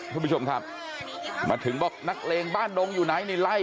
คุณผู้ชมครับมาถึงบอกนักเลงบ้านดงอยู่ไหนนี่ไล่